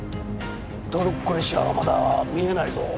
トロッコ列車はまだ見えないぞ。